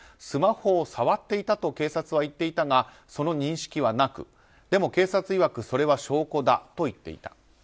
スマホを触っていたと警察は言っていたがその認識はなくでも、警察いわくそれは証拠だと言っていた。